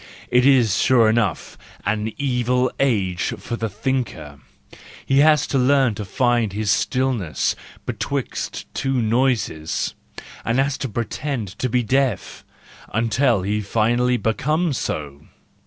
—It is, sure enough, an evil age for the thinker: he has to learn to find his stillness betwixt two noises, and has to pretend to be deaf until he finally becomes so.